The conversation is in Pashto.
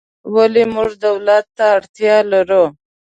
ولې موږ دولت ته اړتیا لرو؟